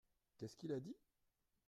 Qu’est-ce qu’il a dit ?